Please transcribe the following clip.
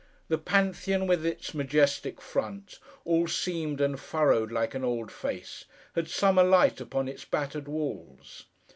The Pantheon, with its majestic front, all seamed and furrowed like an old face, had summer light upon its battered walls.